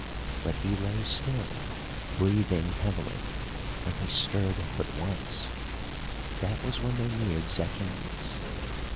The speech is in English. But he lay still, breathing heavily, and he stirred but once—that was when they neared Zacynthus.